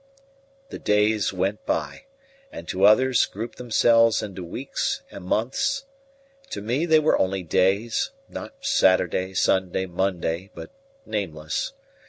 The days went by, and to others grouped themselves into weeks and months; to me they were only days not Saturday, Sunday, Monday, but nameless.